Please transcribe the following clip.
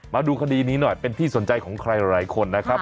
มาดูคดีนี้หน่อยเป็นที่สนใจของใครหลายคนนะครับ